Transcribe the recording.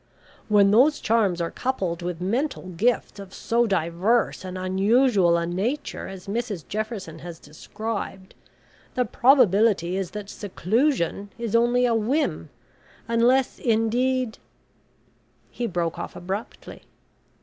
When those charms are coupled with mental gifts of so diverse and unusual a nature as Mrs Jefferson has described, the probability is that seclusion is only a whim, unless indeed " He broke off abruptly.